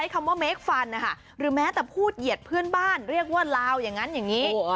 คำว่าเมคฟันนะคะหรือแม้แต่พูดเหยียดเพื่อนบ้านเรียกว่าลาวอย่างนั้นอย่างนี้